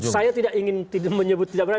saya tidak ingin menyebut tidak berani